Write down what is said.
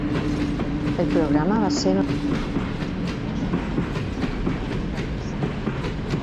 El programa va ser nomenat en homenatge al filòsof Sòcrates de l'Antiga Grècia.